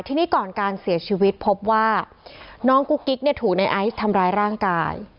ทีนี้ก่อนการเสียชีวิตพบว่าน้องกุ๊กกิ๊กเนี่ยถูกในไอซ์ทำร้ายร่างกาย